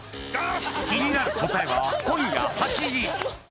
気になる答えは今夜８時。